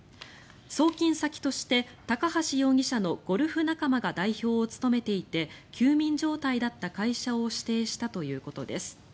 送金先として、高橋容疑者のゴルフ仲間が代表を務めていて休眠状態だった会社を指定したということです。